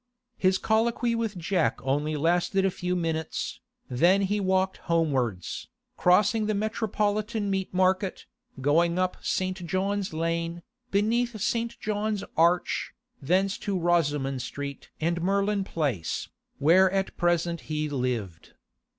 His colloquy with Jack only lasted a few minutes, then he walked homewards, crossing the Metropolitan Meat market, going up St. John's Lane, beneath St. John's Arch, thence to Rosoman Street and Merlin Place, where at present he lived.